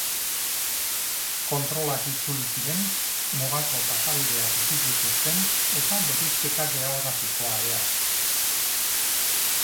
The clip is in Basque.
Kontrolak itzuli ziren, mugako pasabideak itxi zituzten eta bereizketa geografikoa areagotu.